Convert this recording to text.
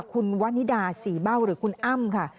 คุณวันนิดาศรีเบ้าหรือคุณอ้ำค่ะ